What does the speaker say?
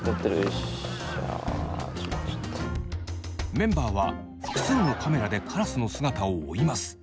メンバーは複数のカメラでカラスの姿を追います。